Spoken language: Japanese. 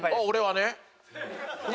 俺はね。